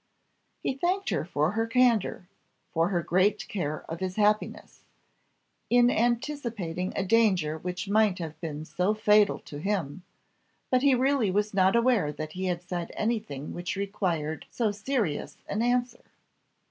He thanked her for her candour for her great care of his happiness, in anticipating a danger which might have been so fatal to him; but he really was not aware that he had said anything which required so serious an answer.